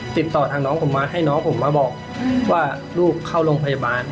ติดต่อทางน้องผมมาให้น้องผมมาบอกว่าลูกเข้าโรงพยาบาล